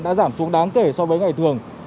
đã giảm xuống đáng kể so với ngày thường